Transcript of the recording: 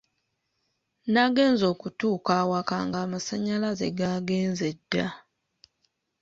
Nagenze okutuuka awaka ng’amasannyalaze gaagenze dda.